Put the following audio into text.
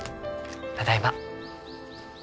ただいま。